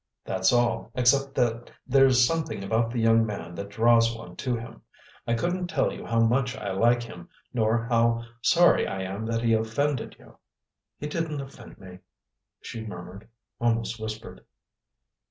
That's all, except that there's something about the young man that draws one to him: I couldn't tell you how much I like him, nor how sorry I am that he offended you." "He didn't offend me," she murmured almost whispered.